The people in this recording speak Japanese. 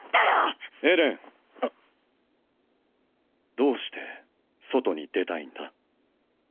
どうして外に出たいんだ？